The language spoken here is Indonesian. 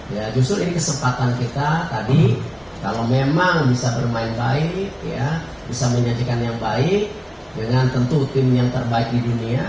ya justru ini kesempatan kita tadi kalau memang bisa bermain baik bisa menyajikan yang baik dengan tentu tim yang terbaik di dunia